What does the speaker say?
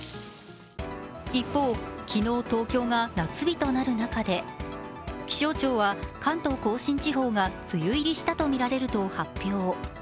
一方、昨日、東京が夏日となる中で、気象庁は関東甲信地方が梅雨入りしたとみられると発表。